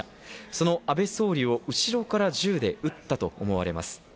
その安倍総理を後ろから銃で撃ったと思われます。